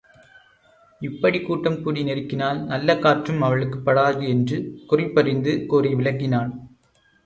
இப்படிக் கூட்டம்கூடி நெருக்கினால் நல்ல காற்றும் அவளுக்குப்படாது என்று குறிப்பறிந்து கூறி விலக்கினாள்.